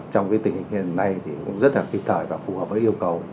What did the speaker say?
trong tình hình hiện nay cũng rất kinh tởi và phù hợp với yêu cầu